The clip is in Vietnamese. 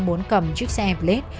muốn cầm chiếc xe emplet